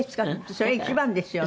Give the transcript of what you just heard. それ一番ですよね。